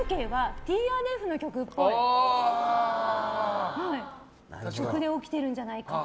ＴＲＦの曲で起きてるんじゃないかと。